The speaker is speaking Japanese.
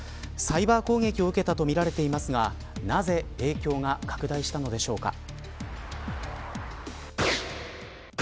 サイバー攻撃を受けたとみられていますがなぜ、影響が拡大したのでしょうか。